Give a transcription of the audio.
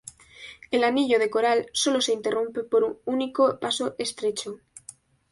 El anillo de coral solo se interrumpe por un único paso estrecho.